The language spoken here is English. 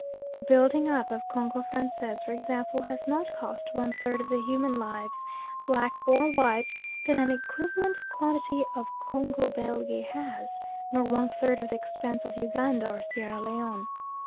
The building up of Congo Francais, for example, has not cost one third of the human lives, black or white, that an equivalent quantity of Congo Belge has, nor one third of the expense of Uganda or Sierra Leone.